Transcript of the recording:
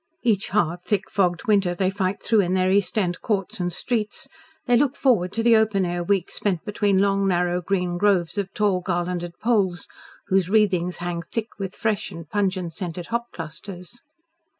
Each hard, thick fogged winter they fight through in their East End courts and streets, they look forward to the open air weeks spent between long, narrow green groves of tall garlanded poles, whose wreathings hang thick with fresh and pungent scented hop clusters.